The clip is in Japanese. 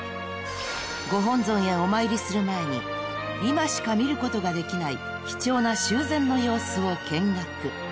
［ご本尊へお参りする前に今しか見ることができない貴重な修繕の様子を見学］